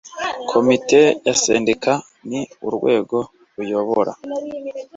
Komite ya sendika ni urwego ruyobora